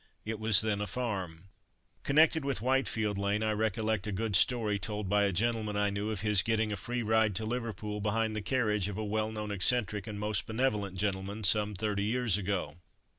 It was then a farm. Connected with Whitefield lane I recollect a good story told by a gentleman I knew, of his getting a free ride to Liverpool, behind the carriage of a well known eccentric and most benevolent gentleman, some thirty years ago.